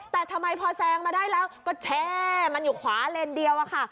แต่ทำไมพอแซงมาได้แล้วก็แช่มันอยู่ขวาเลนเดียวอะค่ะ